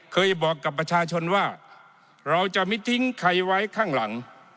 เคยบอกกับประชาชนว่าเราจะไม่ทิ้งใครไว้ข้างหลัง